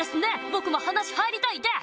僕も話入りたいです！